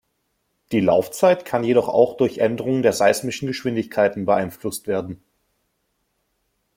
Die Laufzeit kann jedoch auch durch Änderungen der seismischen Geschwindigkeiten beeinflusst werden.